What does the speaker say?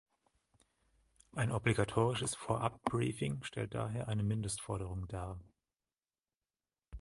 Ein obligatorisches Vorabbriefing stellt daher eine Mindestforderung dar.